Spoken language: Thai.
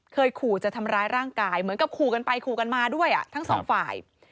ขู่จะทำร้ายร่างกายเหมือนกับขู่กันไปขู่กันมาด้วยทั้งสองฝ่าย